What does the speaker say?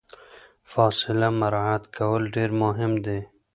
فاصله مراعات کول ډیر مهم دي.